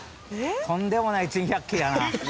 「とんでもない珍百景やな」